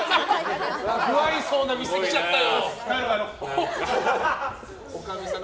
無愛想な店来ちゃったよ。